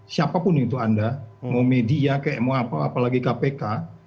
siapapun itu anda mau media kayak mau apa apalagi kpk